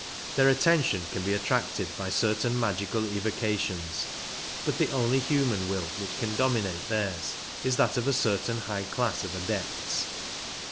Their attention can be attracted by certain magical evocations, but the only human will which can dominate theirs is that of a certain high class of Adepts.